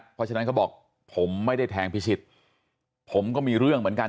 เพราะฉะนั้นเขาบอกผมไม่ได้แทงพิชิตผมก็มีเรื่องเหมือนกัน